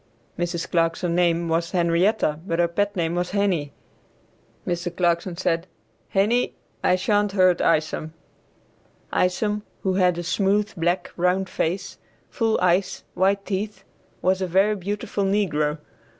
Mrs. Clarkson's name was Henrietta, but her pet name was Henie. Mr. Clarkson said. "Henie, I shan't hurt Isom." Isom, who had a smooth, black, round face, full eyes, white teeth, was a very beautiful negro.